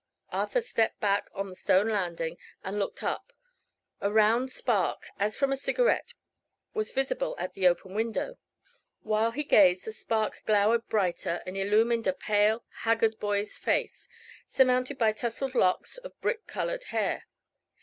Arthur stepped back on the stone landing and looked up. A round spark, as from a cigarette, was visible at the open window. While he gazed the spark glowered brighter and illumined a pale, haggard boy's face, surmounted by tousled locks of brick colored hair.